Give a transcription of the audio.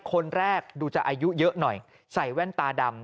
คนแรกดูจะอายุเยอะหน่อยใส่แว่นตาดำ